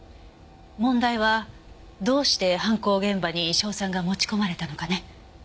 問題はどうして犯行現場に硝酸が持ち込まれたのかね。